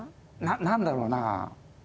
何だろうな。